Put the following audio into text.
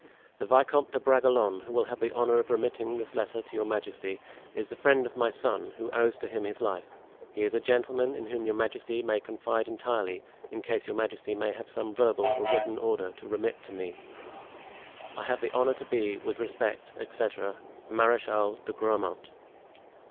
The Vicomte de Bragelonne, who will have the honor of remitting this letter to your majesty, is the friend of my son, who owes to him his life; he is a gentleman in whom your majesty may confide entirely, in case your majesty may have some verbal or written order to remit to me. "I have the honor to be, with respect, etc., "Marechal de Grammont."